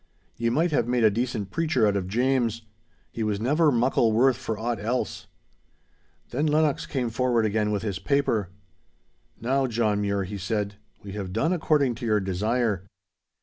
Ye might have made a decent preacher out of James. He was never muckle worth for aught else.' Then Lennox came forward again with his paper. 'Now, John Mure,' he said, 'we have done according to your desire.